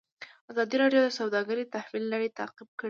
ازادي راډیو د سوداګري د تحول لړۍ تعقیب کړې.